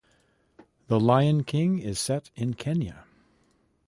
The lion king is set in Kenya.